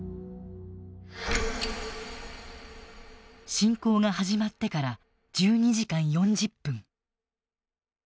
侵攻が始まってから１２時間４０分。